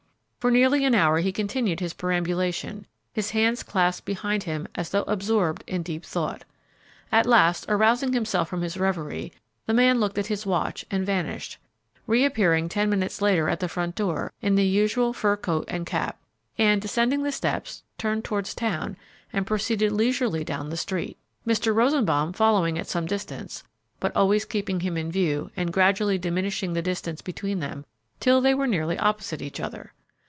For nearly an hour he continued his perambulation, his hands clasped behind him as though absorbed in deep thought. At last, arousing himself from his revery, the man looked at his watch and vanished, reappearing ten minutes later at the front door, in the usual fur coat and cap, and, descending the steps, turned towards town and proceeded leisurely down the street, Mr. Rosenbaum following at some distance, but always keeping him in view and gradually diminishing the distance between them as the thoroughfare became more crowded, till they were nearly opposite each other.